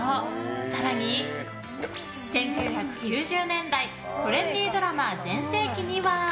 更に１９９０年台トレンディードラマ全盛期には。